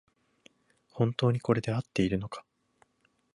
本当にこれであっているのか